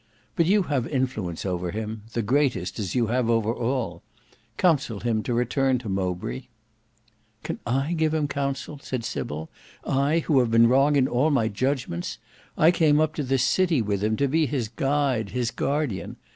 But you have influence over him, the greatest, as you have over all. Counsel him to return to Mowbray." "Can I give counsel?" said Sybil, "I who have been wrong in all my judgments? I came up to this city with him, to be his guide, his guardian.